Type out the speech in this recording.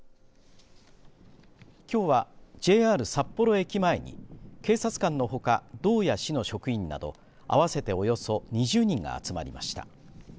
きょうはＪＲ札幌駅前に警察官のほか、道や市の職員など合わせておよそ２０人が集まりました。